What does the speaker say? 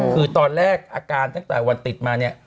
คือตอนแรกอาการตั้งแต่วันติดมาเนี่ย